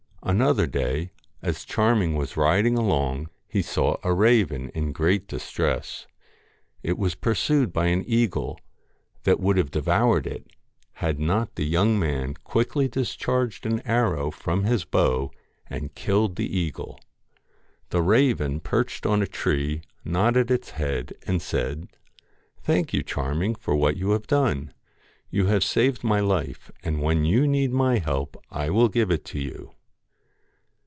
Another day, as Charming was riding along, he saw a raven in great distress. It was pursued by an eagle, that would have devoured it, had not the young man quickly discharged an arrow from his bow, and killed the eagle. The raven perched on a tree, nodded its head, and said 1 Thank you, Charming, for what you have done. You have saved my life, and when you need my help I will give it you.'